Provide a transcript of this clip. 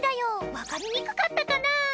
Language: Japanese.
わかりにくかったかな？